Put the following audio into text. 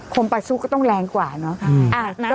คมประซุก็ต้องแรงกว่านะคะ